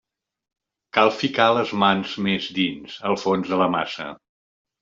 Cal ficar les mans més dins, al fons de la massa.